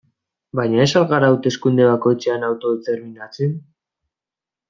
Baina ez al gara hauteskunde bakoitzean autodeterminatzen?